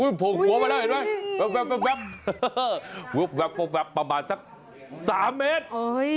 โอ้ยผมหัวมาแล้วเห็นไหมวับประมาณสัก๓เมตร